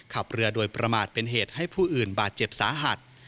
ขับเรือโดยประมาทเป็นเหตุให้ผู้อื่นบาดเจ็บสาหัส